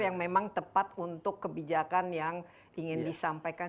yang memang tepat untuk kebijakan yang ingin disampaikan